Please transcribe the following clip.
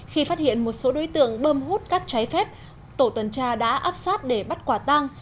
khi phát hiện một số đối tượng bơm hút các trái phép tổ tuần tra đã áp sát để bắt quả tang